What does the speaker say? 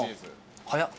早っ。